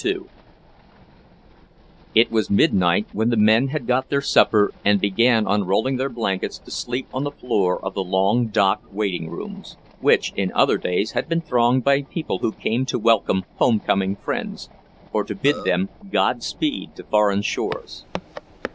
II It was midnight when the men had got their supper and began unrolling their blankets to sleep on the floor of the long dock waiting rooms, which in other days had been thronged by people who came to welcome home coming friends, or to bid them God speed to foreign shores.